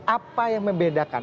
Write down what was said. apa yang membedakan